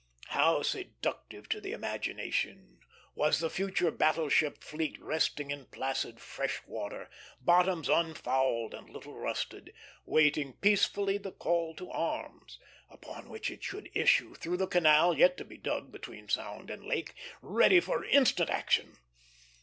How seductive to the imagination was the future battle ship fleet resting in placid fresh water, bottoms unfouled and little rusted, awaiting peacefully the call to arms; upon which it should issue through the canal yet to be dug between sound and lake, ready for instant action!